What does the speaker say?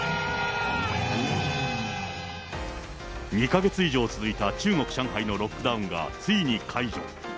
２か月以上続いた中国・上海のロックダウンが、ついに解除。